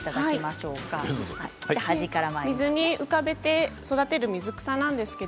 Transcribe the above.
水に浮かべて育てる水草です。